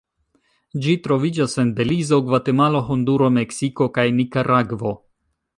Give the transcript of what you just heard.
Ĝi troviĝas en Belizo, Gvatemalo, Honduro, Meksiko kaj Nikaragvo.